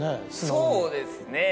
そうですね。